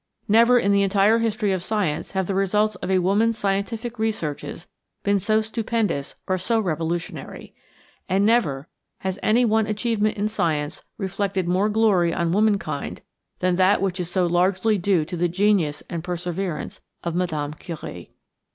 Never in the entire history of science have the results of a woman's scientific researches been so stupendous or so revolutionary. And never has any one achievement in science reflected more glory on womankind than that which is so largely due to the genius and the perseverance of Mme. Curie.